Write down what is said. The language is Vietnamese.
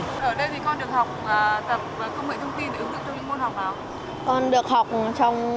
ở đây thì con được học tập công nghệ thông tin ở ứng dụng trong môn học nào